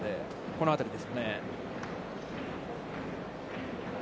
この辺りですね。